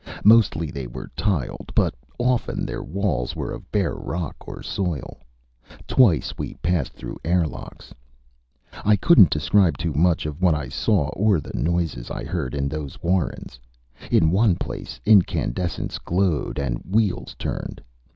Mostly they were tiled, but often their walls were of bare rock or soil. Twice we passed through air locks. I couldn't describe too much of what I saw or the noises I heard in those warrens. In one place, incandescence glowed and wheels turned.